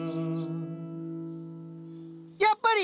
やっぱり！